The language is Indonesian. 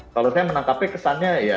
kalau saya menangkapnya kesannya ya